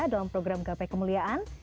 dalam program gape kemuliaan